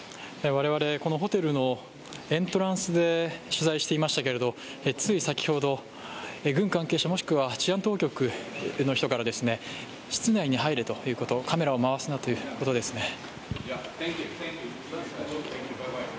我々、このホテルのエントランスで取材していましたけれどもつい先ほど、軍関係者、もしくは治安当局の人から室内に入れということカメラを回すなということですね。